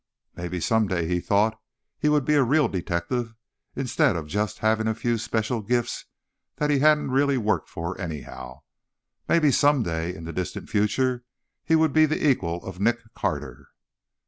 Maybe someday, he thought, he would be a real detective, instead of just having a few special gifts that he hadn't really worked for, anyhow. Maybe someday, in the distant future, he would be the equal of Nick Carter.